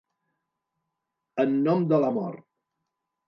En nom de l"amor.